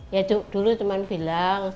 ya dulu teman bilang